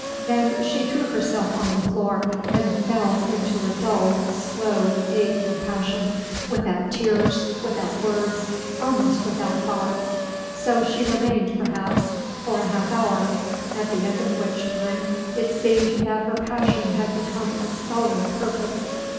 Then she threw herself on the floor, and fell into a dull, slow ache of passion, without tears, without words, almost without thoughts. So she remained, perhaps, for a half hour, at the end of which time it seemed that her passion had become a sullen purpose.